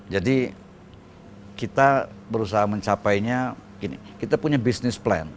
jadi kita berusaha mencapainya gini kita punya business plan